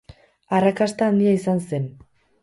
Arrakasta handia izan zen.